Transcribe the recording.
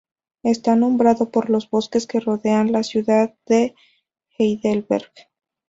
Está nombrado por los bosques que rodean la ciudad de Heidelberg.